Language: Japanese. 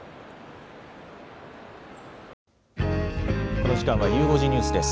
この時間はゆう５時ニュースです。